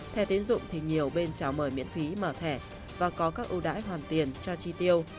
thẻ tiến dụng thì nhiều bên trào mời miễn phí mở thẻ và có các ưu đãi hoàn tiền cho chi tiêu